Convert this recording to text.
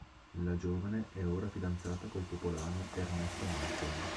La giovane è ora fidanzata col popolano Ernesto Malcolm.